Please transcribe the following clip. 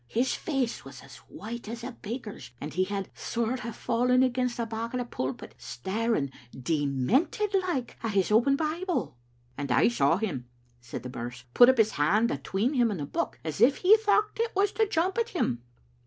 His face was as white as a baker's, and he had a sort of fallen against the back o' the pulpit, staring demented like at his open Bible." "And I saw him," said Birse, "put up his hand atween him and the Book, as if he thocht it was to jump at him."